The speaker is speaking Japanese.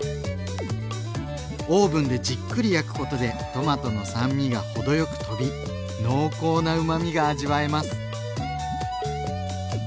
オーブンでじっくり焼くことでトマトの酸味が程よくとび濃厚なうまみが味わえます。